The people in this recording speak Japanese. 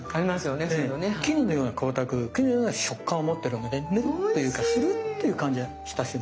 絹のような光沢絹のような食感を持ってるのでヌルッというかスルッという感じがしたりする。